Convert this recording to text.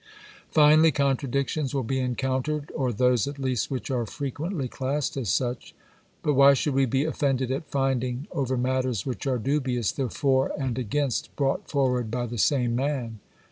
Finally, contradictions will be encountered, or those, at least, which are frequently classed as such. But why should we be offended at finding, over matters which are dubious, the for and against brought forward by the same man